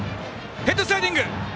ヘッドスライディング！